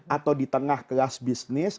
atau di tengah kelas bisnis